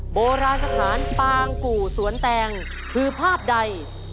โบราณสถานปางกู่สวนแตงคือภาพใด